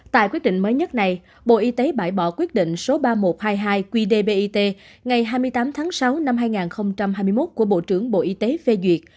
tại quyết định mới nhất này bộ y tế bãi bỏ quyết định số ba nghìn một trăm hai mươi hai qdbit ngày hai mươi tám tháng sáu năm hai nghìn hai mươi một của bộ trưởng bộ y tế phê duyệt